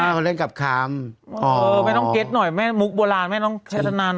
มาเล่นกับคำอ๋อไม่ต้องเก็ตหน่อยแม่มุกโบราณแม่ต้องใช้ธนานะ